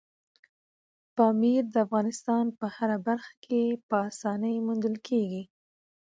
پامیر د افغانستان په هره برخه کې په اسانۍ موندل کېږي.